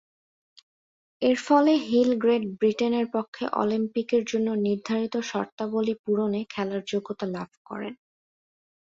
এরফলে হিল গ্রেট ব্রিটেনের পক্ষে অলিম্পিকের জন্য নির্ধারিত শর্তাবলী পূরণে খেলার যোগ্যতা লাভ করেন।